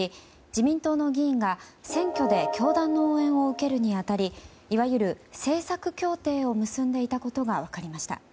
自民党の議員が、選挙で教団の応援を受けるに当たりいわゆる政策協定を結んでいたことが分かりました。